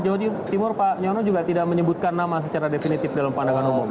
jawa timur pak nyono juga tidak menyebutkan nama secara definitif dalam pandangan umum